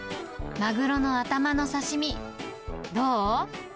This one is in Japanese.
マグロの頭の刺身、どう？